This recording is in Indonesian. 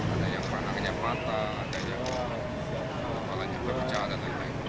ada yang perangannya patah ada yang kebalan juga kecahatan